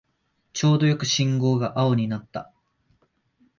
ちょうどよく信号が青になった